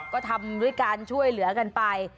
ก็ทำด้วยการช่วยเหลือกันไป